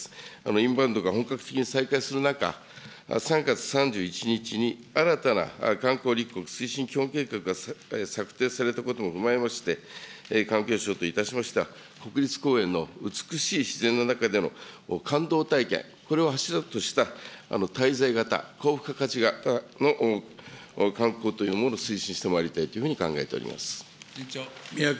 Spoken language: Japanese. インバウンドが本格的に再開する中、３月３１日に新たな観光立国推進基本計画が策定されたことも踏まえまして、環境省といたしましては、国立公園の美しい自然の中での感動体験、これを柱とした滞在型、高付加価値型の観光というものを推進してまいりたいというふうに考えております。